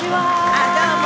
あっどうも。